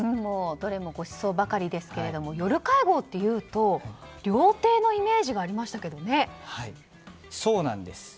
どれもごちそうばかりですけれど夜会合というと料亭のイメージがそうなんです。